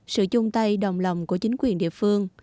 sự chung tay đồng lòng của chính quyền địa phương